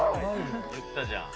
言ったじゃん。